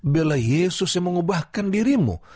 bila yesus yang mengubahkan dirimu